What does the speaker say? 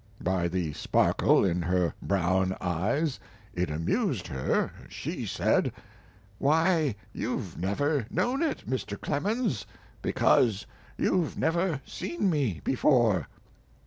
By the sparkle in her brown eyes it amused her. She said: "Why, you've never known it, Mr. Clemens, because you've never seen me before."